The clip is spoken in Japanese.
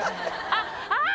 ああ！